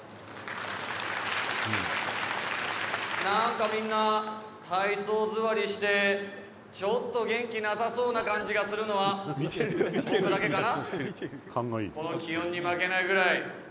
「なんかみんな体操座りしてちょっと元気なさそうな感じがするのは僕だけかな？」